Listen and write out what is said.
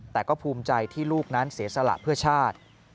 แต่ก็ภูมิใจที่ลูกนั้นเสียสละเพื่อชาติ